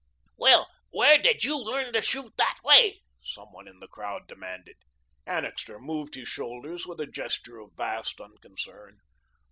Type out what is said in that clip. "Well, where did YOU learn to shoot THAT way?" some one in the crowd demanded. Annixter moved his shoulders with a gesture of vast unconcern.